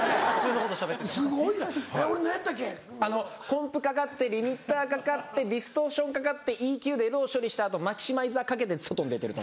コンプかかってリミッターかかってディストーションかかってＥＱでロー処理した後マキシマイザーかけて外に出てる。